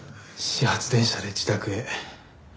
始発電車で自宅へ。